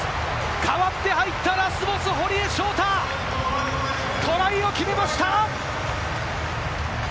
代わって入ったラスボス・堀江翔太、トライを決めました。